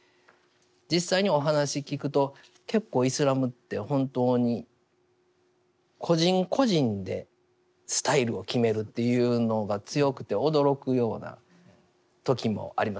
実際にお話聞くと結構イスラムって本当に個人個人でスタイルを決めるっていうのが強くて驚くような時もあります。